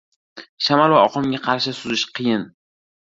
• Shamol va oqimga qarshi suzish qiyin.